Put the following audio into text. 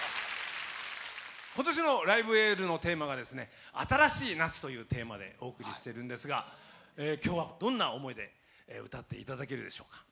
今年の「ライブ・エール」のテーマが「新しい夏」というテーマでお送りしてるんですが今日は、どんな思いで歌っていただけるでしょうか。